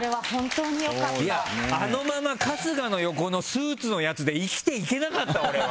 あのまま春日の横のスーツのやつで生きていけなかった、俺は。